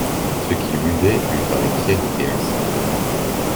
Ce qu'il buvait lui parut tiède et insipide.